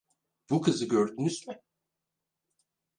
Bu kızı gördünüz mü?